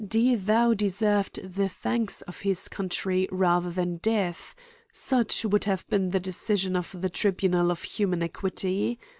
De Thou deserved the thanks of his country rather than death : such would have been the decision of the tribunal of human equity.